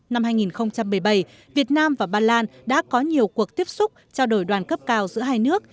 năm hai nghìn một mươi bảy việt nam và ba lan đã có nhiều cuộc tiếp xúc trao đổi đoàn cấp cao giữa hai nước